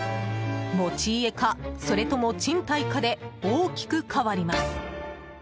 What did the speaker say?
持ち家か、それとも賃貸かで大きく変わります。